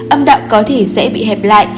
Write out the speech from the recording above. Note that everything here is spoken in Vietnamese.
âm đạo có thể sẽ bị hẹp lại